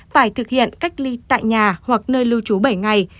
phải thực hiện cách ly tại nhà hoặc nơi lưu trú bảy ngày